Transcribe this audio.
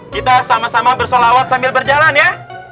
kita sama sama bersolawat sambil berjalan ya